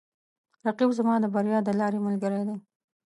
رقیب زما د بریا د لارې ملګری دی